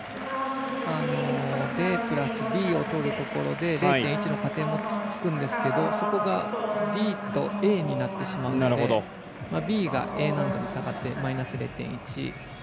ＤプラスＢをとるところで０．１の加点もつくんですけどそこが、ＤとＡになってしまうのでＤがＡ難度に下がってマイナス０．１。